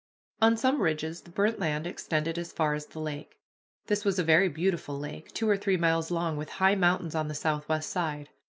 On some ridges the burnt land extended as far as the lake. This was a very beautiful lake, two or three miles long, with high mountains on the southwest side.